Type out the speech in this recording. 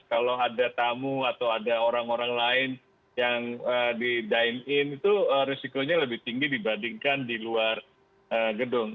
kalau ada tamu atau ada orang orang lain yang di dine in itu risikonya lebih tinggi dibandingkan di luar gedung